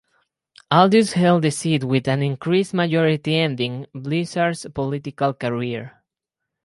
Aldous held the seat with an increased majority ending Blizzard's political career.